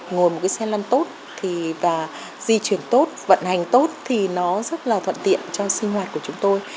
ngồi một cái xe lăn tốt và di chuyển tốt vận hành tốt thì nó rất là thuận tiện cho sinh hoạt của chúng tôi